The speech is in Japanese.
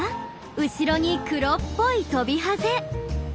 後ろに黒っぽいトビハゼ。